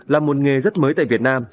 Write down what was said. là một nghề rất mới tại việt nam